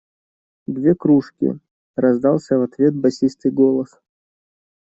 Две кружки! – раздался в ответ басистый голос.